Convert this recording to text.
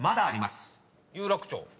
「有楽町」